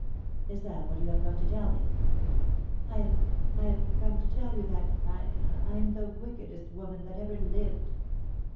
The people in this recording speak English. " Is that what you have come to tell me ?" "I've — I've come to tell you that I— I'm the wickedest woman that ever lived."